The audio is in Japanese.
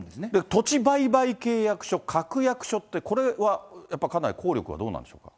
土地売買契約書、確約書って、これは、やっぱかなり効力はどうなんでしょうか。